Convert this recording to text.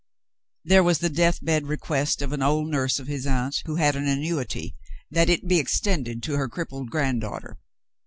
There was the death bed request of an old nurse of his aunt, who had an annuity, that it be extended to her crippled granddaughter.